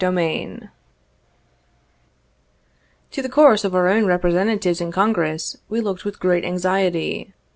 68 To the course of our own Representatives in Congress we looked Avith great anxiety.